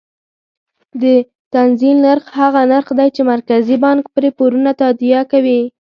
د تنزیل نرخ هغه نرخ دی چې مرکزي بانک پرې پورونه تادیه کوي.